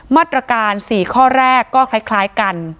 มาตรการ๔ข้อแรกก็คล้ายกัน